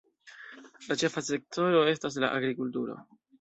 La ĉefa sektoro estas la agrikulturo.